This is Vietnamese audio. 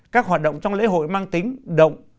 các hoạt động trong lễ hội mang tính động